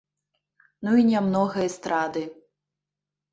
Ну і нямнога эстрады.